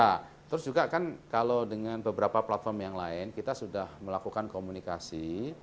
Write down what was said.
ya terus juga kan kalau dengan beberapa platform yang lain kita sudah melakukan komunikasi